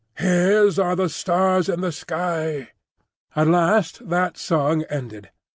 "His are the stars in the sky." At last that song ended.